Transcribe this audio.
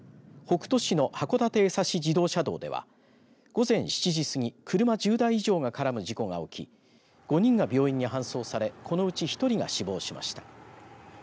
北斗市の函館江差自動車道では午前７時すぎ、車１０台以上が絡む事故が起き５人が病院に搬送されこのうち１人が死亡しました。